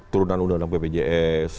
turunan undang undang ppjs